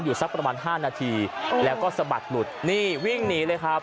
สักประมาณ๕นาทีแล้วก็สะบัดหลุดนี่วิ่งหนีเลยครับ